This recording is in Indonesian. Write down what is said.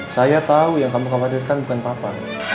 saya tahu yang kamu khawatirkan bukan papa